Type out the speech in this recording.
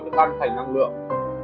từ thân thành năng lượng